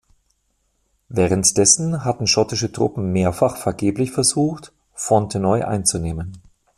Währenddessen hatten schottische Truppen mehrfach vergeblich versucht, Fontenoy einzunehmen.